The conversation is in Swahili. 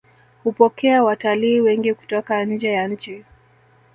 hupokea watalii wengi kutoka njee ya nchi